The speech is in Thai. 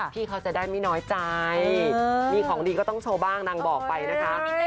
พี่เขาจะได้ไม่น้อยใจมีของดีก็ต้องโชว์บ้างนางบอกไปนะคะ